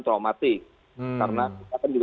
traumatik karena kita kan juga